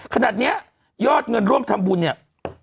ขนาดนี้ยอดเงินร่วมทำบุญเนี่ย